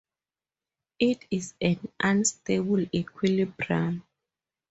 It is an unstable equilibrium.